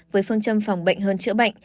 với phương châm phòng bệnh hơn chữa bệnh